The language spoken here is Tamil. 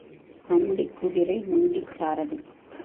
சண்டிக் குதிரை நொண்டிச் சாரதி.